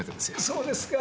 そうですか。